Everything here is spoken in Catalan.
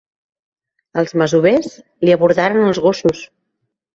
Els masovers li abordaren els gossos.